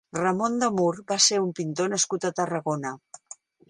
Ramon de Mur va ser un pintor nascut a Tarragona.